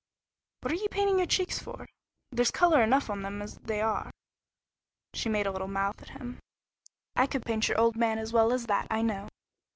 "What are you painting your cheeks for? There's color enough on them as they are." She made a little mouth at him. "I could paint your old man as well as that, I know."